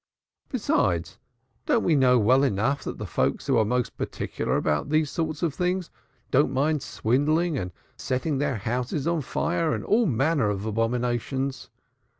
Besides, don't we know well enough that the folks who are most particular about those sort of things don't mind swindling and setting their houses on fire and all manner of abominations?